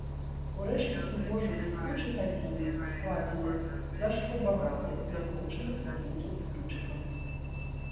Урэшце прыгожы бліскучы гадзіннік складзены, зашрубаваны, накручаны маленькім ключыкам.